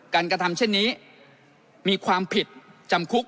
กระทำเช่นนี้มีความผิดจำคุก